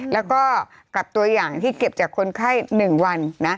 แล้วก็กับตัวอย่างที่เก็บจากคนไข้๑วันนะ